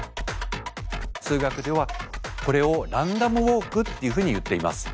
数学ではこれをランダムウォークっていうふうにいっています。